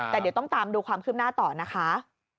แต่เดี๋ยวต้องตามดูความคืบหน้าต่อนะคะ